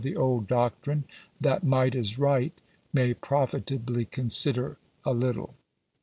the old doctrine, that might is right, may profitably consider J a little.